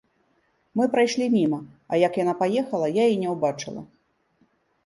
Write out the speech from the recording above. Мы прайшлі міма, а як яна паехала, я і не ўбачыла.